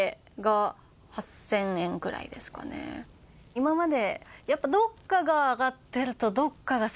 今まで。